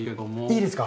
いいですか？